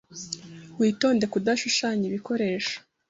Witondere kudashushanya ibikoresho.